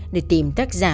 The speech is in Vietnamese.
để tìm tác giả